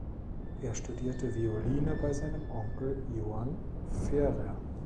Er studierte Violine bei seinem Onkel Joan Ferrer.